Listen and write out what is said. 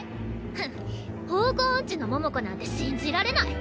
フン方向おんちの桃子なんて信じられない。